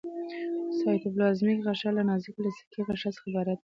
سایټوپلازمیک غشا له نازکې الستیکي غشا څخه عبارت ده.